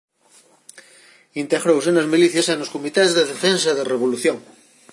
Integrouse nas milicias e nos Comités de Defensa da Revolución.